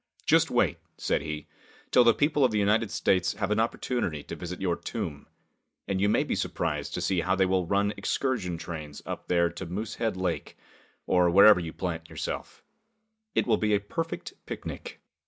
"Just wait," said he, "till the people of the United States have an opportunity to visit your tomb, and you will be surprised to see how they will run excursion trains up there to Moosehead lake, or wherever you plant yourself. It will be a perfect picnic.